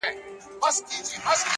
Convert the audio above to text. لکه سايه راپورې ـ پورې مه ځه;